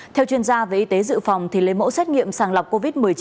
theo chuyên gia về y tế dự phòng lấy mẫu xét nghiệm sàng lọc covid một mươi chín